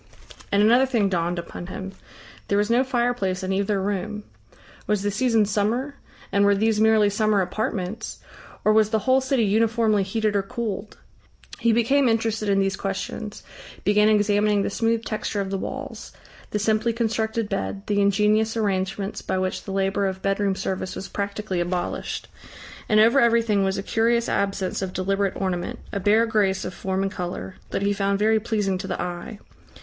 And another thing dawned upon him. There was no fireplace in either room. Was the season summer, and were these merely summer apartments, or was the whole city uniformly heated or cooled? He became interested in these questions, began examining the smooth texture of the walls, the simply constructed bed, the ingenious arrangements by which the labour of bedroom service was practically abolished. And over everything was a curious absence of deliberate ornament, a bare grace of form and colour, that he found very pleasing to the eye.